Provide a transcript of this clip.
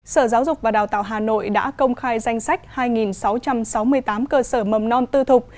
sở giáo dục và đào tạo hà nội đã công khai danh sách hai sáu trăm sáu mươi tám cơ sở mầm non tư thục